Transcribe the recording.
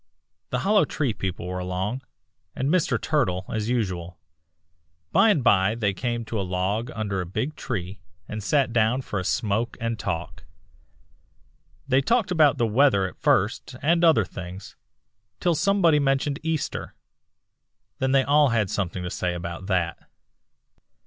The Hollow Tree people were along, and Mr. Turtle, as usual. By and by they came to a log under a big tree and sat down for a smoke and talk. They talked about the weather at first and other things, till somebody mentioned Easter. Then they all had something to say about that.